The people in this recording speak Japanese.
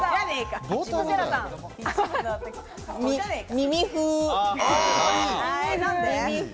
耳風。